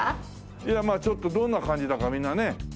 いやまあちょっとどんな感じだかみんなね。